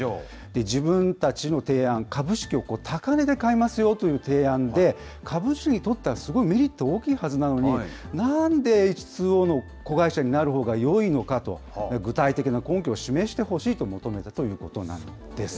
自分たちの提案、株式を高値で買いますよという提案で、株式を取ったらすごいメリット大きいはずなのに、なんでエイチ・ツー・オーの子会社になるのがよいのかと、具体的な根拠を示してほしいと求めたということなんです。